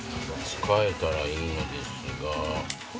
使えたらいいのですが。